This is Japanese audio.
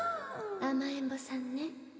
甘えんぼさんね